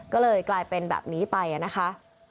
ก็เลยกลายเป็นแบบนี้ไปนะคะ